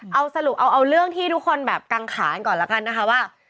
เอาสรุปเอาเรื่องที่ทุกคนแบบกังขานก่อนแล้วกันนะคะว่า